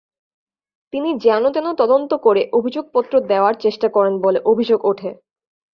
তিনি যেনতেন তদন্ত করে অভিযোগপত্র দেওয়ার চেষ্টা করেন বলে অভিযোগ ওঠে।